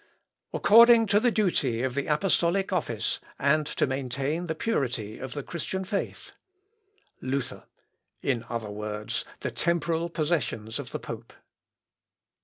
_ "According to the duty of the apostolic office, and to maintain the purity of Christian faith." Luther. "In other words, the temporal possessions of the pope."